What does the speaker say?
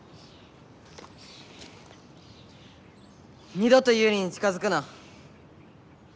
二度とユウリに近づくな！